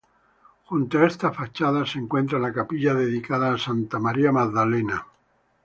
Junto a esta fachada se encuentra la capilla, dedicada a Santa María Magdalena.